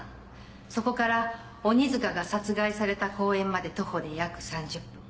そこから鬼塚が殺害された公園まで徒歩で約３０分。